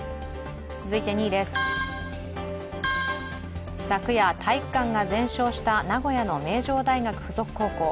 続いて２位です、昨夜、体育館が全焼した名古屋の名城大学附属高校。